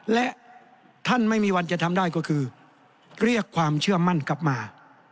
และท่านไม่มีวันจะทำได้ก็คือเรียกความเชื่อมั่นกลับมา